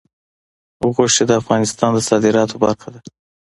غوښې د افغانستان د صادراتو برخه ده.